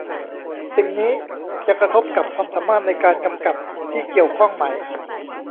สิ่งนี้จะกระทบกับความสามารถในการกำกับที่เกี่ยวข้องไหม